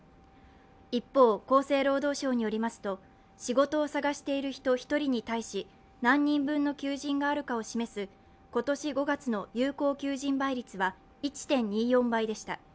一方、厚生労働省によりますと、仕事を探している人１人に対し、何人分の求人があるかを示す今年５月の有効求人倍率は１．２４倍でした。